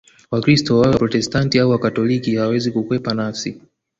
Wakristo wawe Waprotestanti au Wakatoliki hawawezi kukwepa nafsi